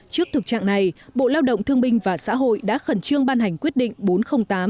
trước thực trạng này bộ lao động thương binh và xã hội đã khẩn trương ban hành quyết định bốn trăm linh tám